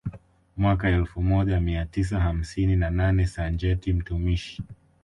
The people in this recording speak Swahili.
Mwaka elfu moja mia tisa hamsini na nane Sajenti mtumishi